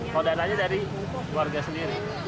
kodanya dari warga sendiri